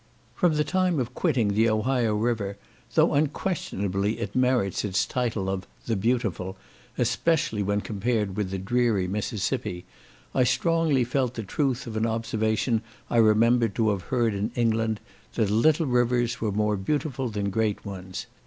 From the time of quitting the Ohio river, though, unquestionably, it merits its title of "the beautiful," especially when compared with the dreary Mississippi, I strongly felt the truth of an observation I remembered to have heard in England, that little rivers were more beautiful than great ones.